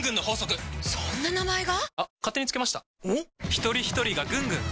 ひとりひとりがぐんぐん！